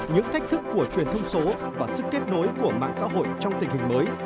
những thách thức của truyền thông số và sức kết nối của mạng xã hội trong tình hình mới